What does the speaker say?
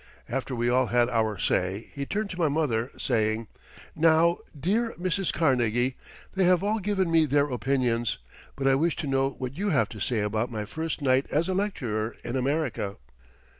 After we all had our say, he turned to my mother, saying: "Now, dear Mrs. Carnegie, they have all given me their opinions, but I wish to know what you have to say about my first night as a lecturer in America."